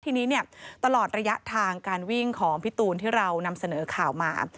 ทีนี้เนี่ยตลอดระยะทางการวิ่งของพี่ตูนที่เรานำเสนอข่าวมา